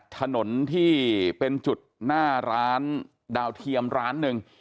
ถนนที่เป็นจุดหน้าร้านดาวเทียมร้านหนึ่ง